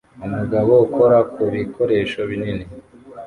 Umugabo ukora ku bikoresho binini